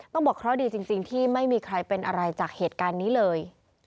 บอกเคราะห์ดีจริงที่ไม่มีใครเป็นอะไรจากเหตุการณ์นี้เลย